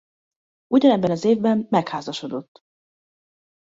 Ugyanebben az évben megházasodott.